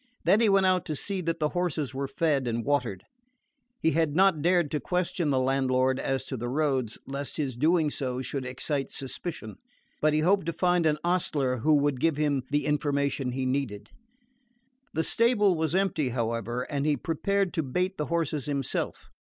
Then he went out to see that the horses were fed and watered. He had not dared to question the landlord as to the roads, lest his doing so should excite suspicion; but he hoped to find an ostler who would give him the information he needed. The stable was empty, however; and he prepared to bait the horses himself.